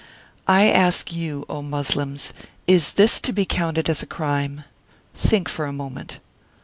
I ask you, O Moslems is this to be counted as a crime ? Think for a moment.